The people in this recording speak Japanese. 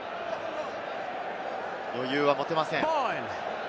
余裕は持てません。